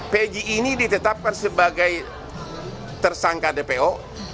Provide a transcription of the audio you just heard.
pg ini ditetapkan sebagai tersangka dpo